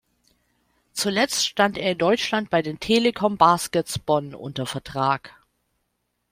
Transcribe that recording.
Zuletzt stand er in Deutschland bei den Telekom Baskets Bonn unter Vertrag.